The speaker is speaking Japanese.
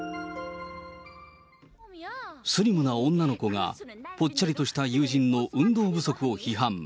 スリムな女の子が、ぽっちゃりとした友人の運動不足を批判。